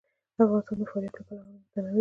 افغانستان د فاریاب له پلوه متنوع دی.